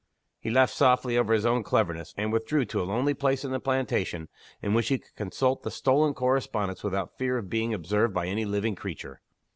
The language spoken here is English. He laughed softly over his own cleverness; and withdrew to a lonely place in the plantation, in which he could consult the stolen correspondence without fear of being observed by any living creature.